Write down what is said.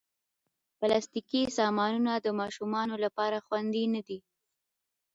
پلاستيکي سامانونه د ماشومانو لپاره خوندې نه دي.